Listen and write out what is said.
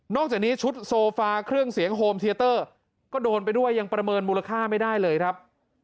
จากนี้ชุดโซฟาเครื่องเสียงโฮมเทียเตอร์ก็โดนไปด้วยยังประเมินมูลค่าไม่ได้เลยครับ